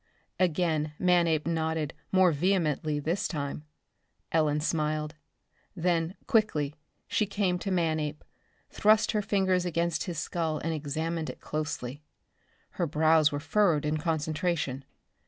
Again Manape nodded, more vehemently this time. Ellen smiled. Then, quickly, she came to Manape, thrust her fingers against his skull and examined it closely. Her brows were furrowed in concentration.